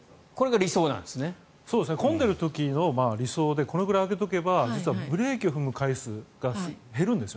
混んでる時の理想でこのくらい空けておけばブレーキを踏む回数が減るんです。